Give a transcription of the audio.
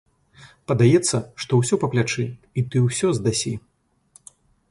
Падаецца, што ўсё па плячы і ты ўсё здасі.